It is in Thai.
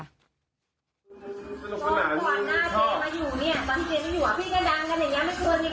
เนี่ยตอนที่เจ๊ไม่อยู่ที่กัดดังอย่างนี้ไม่คุ้นที